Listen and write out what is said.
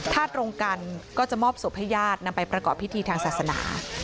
ถ้าตรงกันก็จะมอบศพให้ญาตินำไปประกอบพิธีทางศาสนา